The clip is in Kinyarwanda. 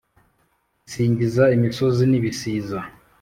Isingiza imisozi n'ibisiza